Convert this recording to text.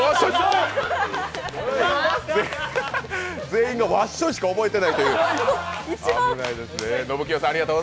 全員がワッショイしか覚えていないという。